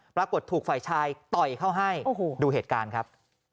ปรากฏถูกฝ่ายชายต่อยเขาให้ดูเหตุการณ์ครับ